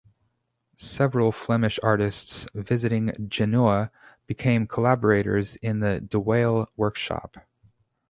Several Flemish artists visiting Genoa became collaborators in the de Wael workshop.